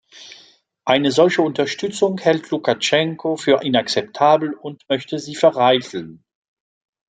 Eine solche Unterstützung hält Lukaschenko für inakzeptabel und möchte sie vereiteln.